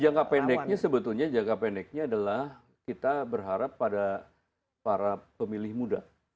jangka pendeknya sebetulnya jangka pendeknya adalah kita berharap pada para pemilih muda